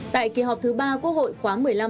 tại kỳ họp thứ ba quốc hội khóa một mươi năm